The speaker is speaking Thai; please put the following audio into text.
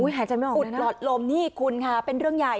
อุดหลอดลมนี่คุณค่ะเป็นเรื่องใหญ่